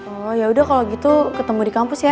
oh yaudah kalau gitu ketemu di kampus ya